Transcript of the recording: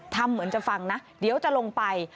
เหมือนจะฟังนะเดี๋ยวจะลงไป